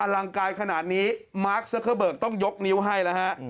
ลังกายขนาดนี้มาร์คซักเกอร์เบิกต้องยกนิ้วให้แล้วฮะ